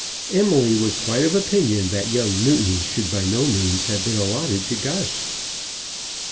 Emily was quite of opinion that young Newton should by no means have been allotted to Gus.